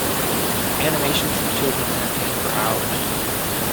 Animation keeps children entertained for hours.